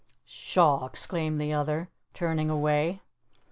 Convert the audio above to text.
"Pshaw!" exclaimed the other, turning away.